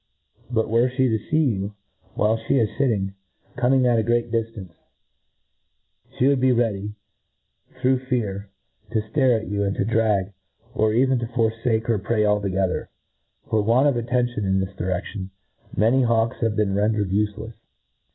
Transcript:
But, were fhe to fee you, while fhe is fitting, co ming at a great diflance, fhe would be ready, through fear, to flare at you, and to drag, or even to forfake her prey altogether* For want of attention to this diredlion, many hawks have been rendered ufelefs.